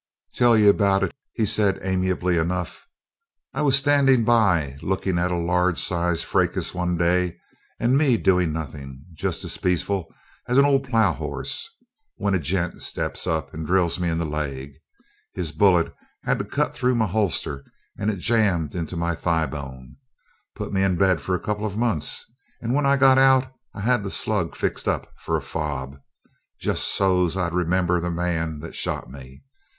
"Tell you about it," he said amiably enough. "I was standing by looking at a large sized fracas one day and me doing nothing just as peaceful as an old plough hoss when a gent ups and drills me in the leg. His bullet had to cut through my holster and then it jammed into my thigh bone. Put me in bed for a couple of months and when I got out I had the slug fixed up for a fob. Just so's I could remember the man that shot me.